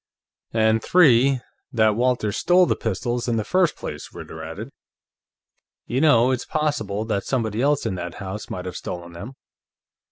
"And, three, that Walters stole the pistols in the first place," Ritter added. "You know, it's possible that somebody else in that house might have stolen them."